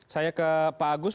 saya ke pak agus